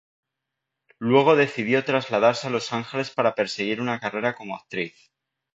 Luego, decidió trasladarse a Los Ángeles para perseguir una carrera como actriz.